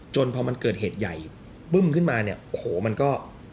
จนพอมันเกิดเหตุใหญ่ปึ้มขึ้นมาเนี่ยโอ้โหมันก็